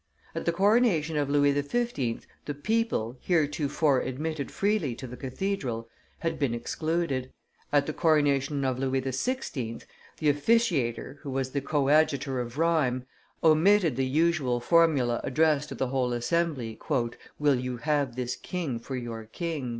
At the coronation of Louis XV. the people, heretofore admitted freely to the cathedral, had been excluded; at the coronation of Louis XVI. the officiator, who was the coadjutor of Rheims, omitted the usual formula addressed to the whole assembly, "Will you have this king for your king?"